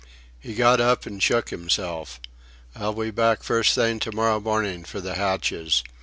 He got up and shook himself. "I'll be back first thing to morrow morning for the hatches.